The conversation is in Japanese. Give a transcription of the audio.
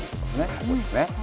ここですね。